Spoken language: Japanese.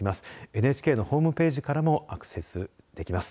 ＮＨＫのホームページからもアクセスできます。